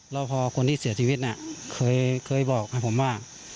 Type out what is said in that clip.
แล้วพอคนที่เสียชีวิตเคยบอกให้ผมว่า